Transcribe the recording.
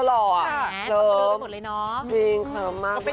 จริงเขินมากเลย